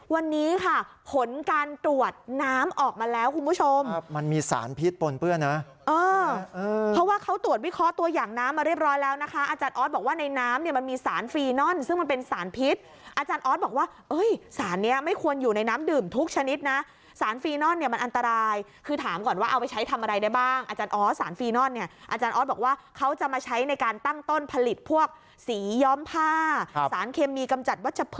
วันนี้ค่ะผลการตรวจน้ำออกมาแล้วคุณผู้ชมมันมีสารพิษปนเปื้อนนะเออเพราะว่าเขาตรวจวิเคราะห์ตัวอย่างน้ำมาเรียบร้อยแล้วนะคะอาจารย์อ๊อตบอกว่าในน้ำเนี่ยมันมีสารฟีนอนซึ่งมันเป็นสารพิษอาจารย์อ๊อตบอกว่าเอ้ยสารเนี่ยไม่ควรอยู่ในน้ำดื่มทุกชนิดนะสารฟีนอนเนี่ยมันอันตรายคือถามก่อนว่า